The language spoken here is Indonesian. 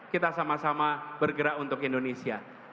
kita sama sama bergerak untuk indonesia